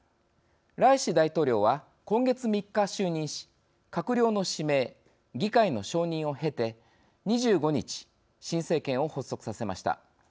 ライシ大統領は、今月３日就任し閣僚の指名、議会の承認を経て２５日、新政権を発足させました。